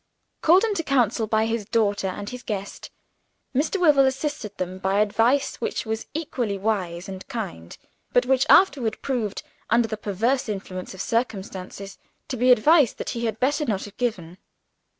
Called into council by his daughter and his guest, Mr. Wyvil assisted them by advice which was equally wise and kind but which afterward proved, under the perverse influence of circumstances, to be advice that he had better not have given.